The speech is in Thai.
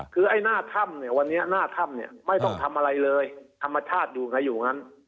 คือไอ้หน้าถ้ำเนี่ยวันนี้หน้าถ้ำเนี่ยไม่ต้องทำอะไรเลยธรรมชาติอยู่ไงอยู่งั้น